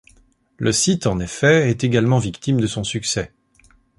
Le site en effet est également victime de son succès.